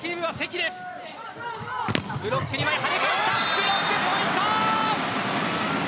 ブロックポイント。